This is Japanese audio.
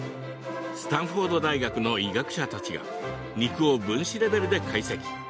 スタンフォード大学の医学者たちが肉を分子レベルで解析。